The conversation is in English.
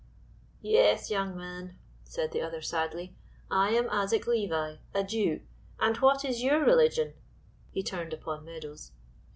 "Yes, young man," said the other, sadly, "I am Isaac Levi, a Jew. And what is your religion" (he turned upon Meadows)?